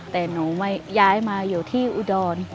แต่หนูไม่ย้ายมาอยู่ที่อุดร